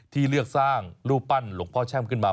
ที่เลือกสร้างรูปปั้นหลวงพ่อแช่มขึ้นมา